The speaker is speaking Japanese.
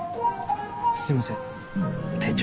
すいません店長。